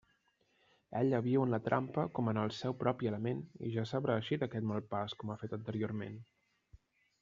Ella viu en la trampa com en el seu propi element, i ja sabrà eixir d'aquest mal pas com ha fet anteriorment.